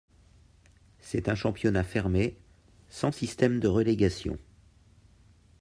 C'est un championnat fermé, sans système de relégation.